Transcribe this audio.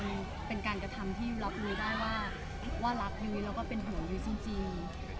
มันเป็นการกระทำที่รับรู้ได้ว่ารักยุ้ยแล้วก็เป็นห่วงยุ้ยจริง